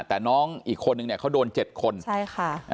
อ่าแต่น้องอีกคนหนึ่งเนี้ยเขาโดนเจ็ดคนใช่ค่ะอ่า